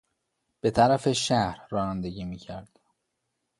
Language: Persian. به طرف شهر رانندگی میکرد.